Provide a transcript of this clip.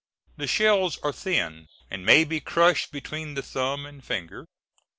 The shells are thin, and may be crushed between the thumb and finger.